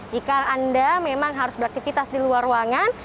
jika anda memang harus beraktivitas di luar ruangan